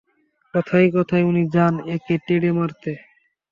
কথায় কথায় উনি যান ওকে তেড়ে মারতে।